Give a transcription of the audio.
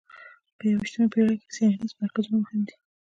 په یویشتمه پېړۍ کې څېړنیز مرکزونه مهم دي.